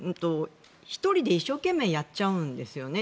１人で一生懸命やっちゃうんですよね。